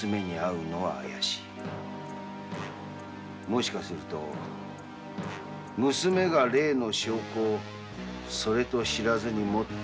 もしかすると娘が例の証拠をそれと知らずに持ってるやもしれぬ。